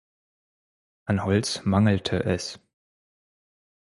An Holz mangelte es.